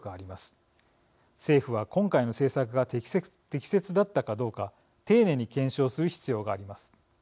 政府は今回の政策が適切だったかどうか丁寧に検証する必要があります。